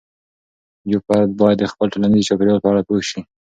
یو فرد باید د خپل ټولنيزې چاپیریال په اړه پوه سي.